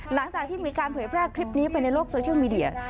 หลังจากที่มีการเผยแพร่คลิปนี้ไปในโลกโซเชียลมีเดีย